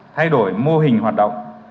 thay đổi mô hình hoạt động